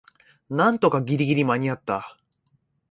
なんとかギリギリ間にあった